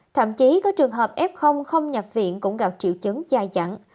thậm chí có trường hợp f không nhập viện cũng gặp triệu chứng dài dặn